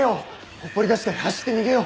ほっぽり出して走って逃げよう。